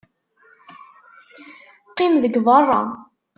Qqim deg beṛṛa.